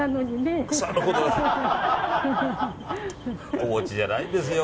お持ちじゃないんですよ。